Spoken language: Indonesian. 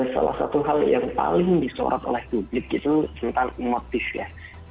salah satu hal yang paling disorot oleh publik itu tentang motif ya